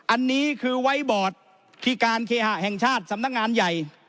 อันนี้คือไว้บอร์ดที่การเคหะแห่งชาติสำนักงานใหญ่